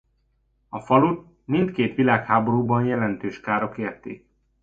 A falut mindkét világháborúban jelentős károk érték.